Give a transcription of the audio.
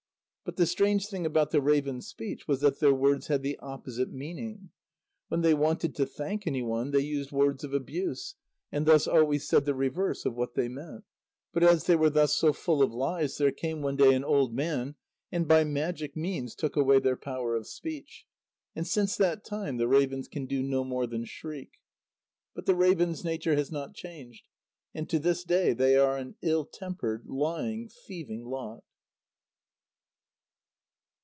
But the strange thing about the ravens' speech was that their words had the opposite meaning. When they wanted to thank any one, they used words of abuse, and thus always said the reverse of what they meant. But as they were thus so full of lies, there came one day an old man, and by magic means took away their power of speech. And since that time the ravens can do no more than shriek. But the ravens' nature has not changed, and to this day they are an ill tempered, lying, thieving lot.